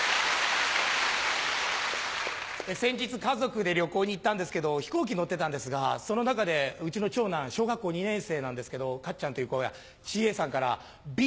先日家族で旅行に行ったんですけど飛行機乗ってたんですがその中でうちの長男小学校２年生なんですけどカッちゃんっていう子がＣＡさんから「ビーフｏｒチキン？」って突然聞かれたんですね。